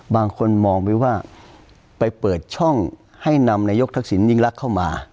บางคนมองไปว่าไปเปิดช่องให้นำนายกทักษิณยิ่งรักเข้ามา